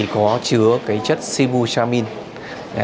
có chứa chất sibutramine